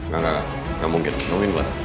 gak gak gak gak mungkin gak mungkin pak